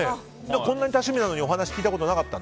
こんなに多趣味なのにお話聞いたことなかった？